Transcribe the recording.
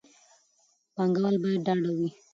پانګوال باید ډاډه وي.